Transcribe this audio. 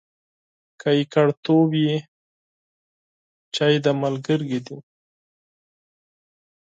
که یوازیتوب وي، چای دې ملګری دی.